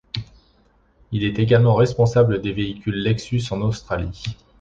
Il est également responsable des véhicules Lexus en Australie.